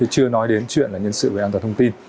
chưa nói đến chuyện là nhân sự về an toàn thông tin